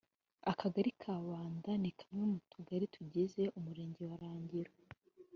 Akagali ka Banda ni kamwe mu Tugali tugize Umurenge wa Rangiro